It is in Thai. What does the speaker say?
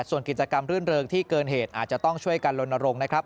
ส่วนกิจกรรมรื่นเริงที่เกินเหตุอาจจะต้องช่วยกันลนรงค์นะครับ